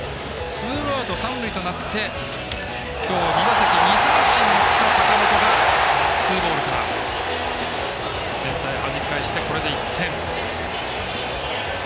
ツーアウト、三塁となって今日、２打席２三振だった坂本がツーボールからセンターへはじき返して、１点。